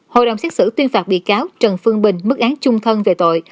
hội đồng xét xử tuyên phạt bị cáo trần phương bình mức án trung thân về tội